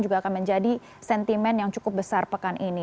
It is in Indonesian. juga akan menjadi sentimen yang cukup besar pekan ini